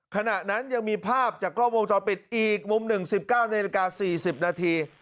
ขณะนั้นยังมีภาพจากกล้องวงจรปิดอีกมุม๑๑๙นาฬิกา๔๐นาที